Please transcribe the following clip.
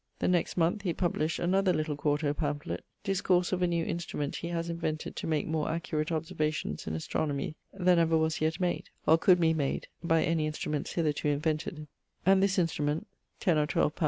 The next moneth he published another little 4to pamphlet, Discourse of a new instrument he haz invented to make more accurate observations in astronomy then ever was yet made, or could be made by any instruments hitherto invented, and this instrument (10 or 12 _li.